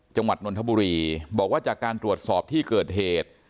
นนทบุรีบอกว่าจากการตรวจสอบที่เกิดเหตุ